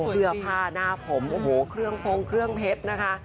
เสื้อผ้าหน้าผมโอ้โหเครื่องพงเครื่องเพชรนะคะ